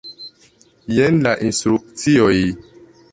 Jen la instrukcioj.